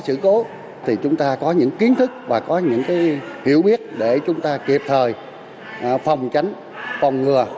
vì vậy khi có thì chúng ta có những kiến thức và có những hiểu biết để chúng ta kịp thời phòng chánh phòng ngừa